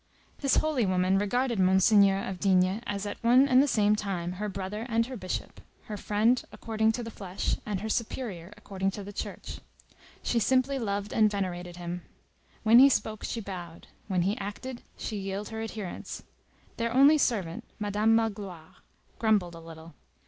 This holy woman regarded Monseigneur of D—— as at one and the same time her brother and her bishop, her friend according to the flesh and her superior according to the Church. She simply loved and venerated him. When he spoke, she bowed; when he acted, she yielded her adherence. Their only servant, Madame Magloire, grumbled a little.